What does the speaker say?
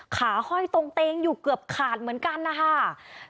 ห้อยตรงเตงอยู่เกือบขาดเหมือนกันนะคะ